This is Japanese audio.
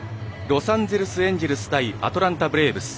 ロサンゼルス・エンジェルス対アトランタ・ブレーブス。